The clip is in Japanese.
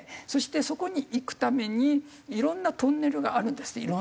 そしてそこに行くためにいろんなトンネルがあるんですね。